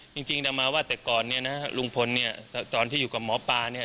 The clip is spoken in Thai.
จริงแต่มาว่าแต่ก่อนเนี่ยนะฮะลุงพลเนี่ยตอนที่อยู่กับหมอปลาเนี่ย